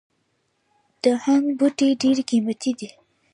د هنګ بوټی ډیر قیمتي دی